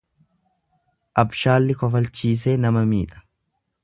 Abshaalli kofalchiisee nama miidha.